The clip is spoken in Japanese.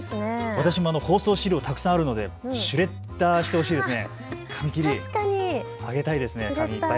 私も放送資料、たくさんあるのでシュレッダーしてほしいですね。